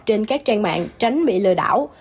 trên các trang mạng tránh bị lừa đảo